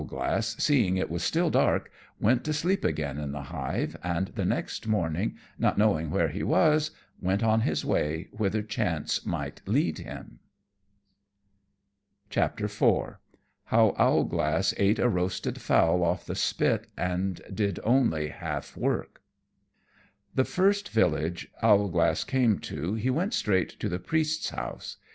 _] Owlglass, seeing it was still dark, went to sleep again in the hive; and the next morning, not knowing where he was, went on his way whither chance might lead him. [Decoration] IV. How Owlglass ate a roasted Fowl off the spit, and did only half Work. The first village Owlglass came to he went straight to the Priest's house.